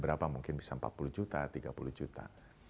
berapa mungkin bisa empat puluh juta tiga puluh juta